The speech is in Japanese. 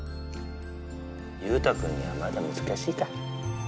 勇太くんにはまだ難しいか。